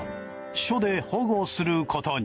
署で保護することに。